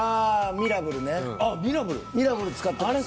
ミラブル使ってます。